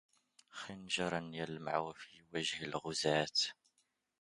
خنجراً يلمع في وجه الغزاة